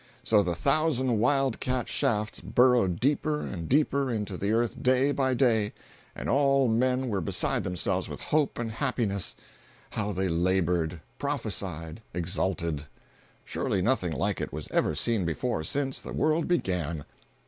So the thousand wild cat shafts burrowed deeper and deeper into the earth day by day, and all men were beside themselves with hope and happiness. How they labored, prophesied, exulted! Surely nothing like it was ever seen before since the world began.